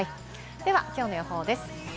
ではきょうの予報です。